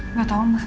nggak tahu mas